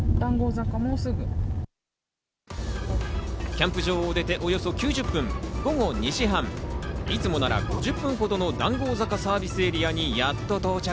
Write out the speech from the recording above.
キャンプ場を出ておよそ９０分、午後２時半、いつもなら５０分程の談合坂サービスエリアにやっと到着。